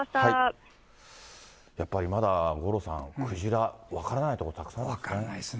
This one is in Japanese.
やっぱりまだ五郎さん、クジラ、分からないところたくさんあるんですね。